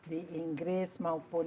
di inggris maupun